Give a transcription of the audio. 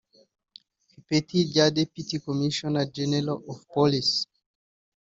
ku ipeti rya Deputy Commissioner General of Police